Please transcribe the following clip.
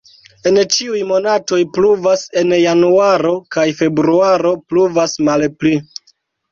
En ĉiuj monatoj pluvas, en januaro kaj februaro pluvas malpli.